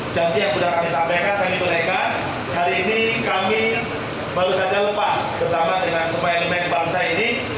janji yang sudah kami sampaikan kami berikan hari ini kami baru saja lepas bersama dengan pemain pemain bangsa ini